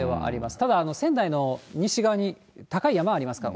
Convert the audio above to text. ただ仙台の西側に高い山がありま